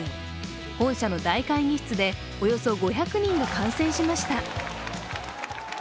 本社の大会議室でおよそ５００人が観戦しました。